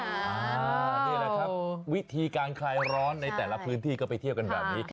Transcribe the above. นี่แหละครับวิธีการคลายร้อนในแต่ละพื้นที่ก็ไปเที่ยวกันแบบนี้